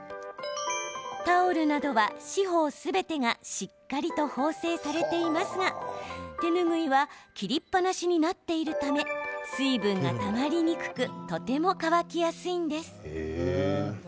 タオルなどは、四方すべてがしっかりと縫製されていますが手ぬぐいは切りっぱなしになっているため水分がたまりにくくとても乾きやすいんです。